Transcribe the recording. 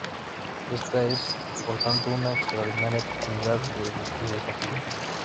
Esta es, por tanto, una extraordinaria oportunidad y desafío.